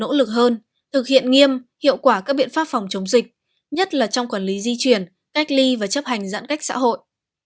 thủ tướng yêu cầu tỉnh kiên giang cẩn thận nỗ lực hơn thực hiện nghiêm hiệu quả các biện pháp phòng chống dịch nhất là trong quản lý di chuyển cách ly và chấp hành giãn cách xã hội